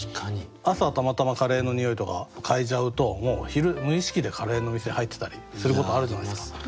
朝たまたまカレーのにおいとか嗅いじゃうともう昼無意識でカレーの店入ってたりすることあるじゃないですか。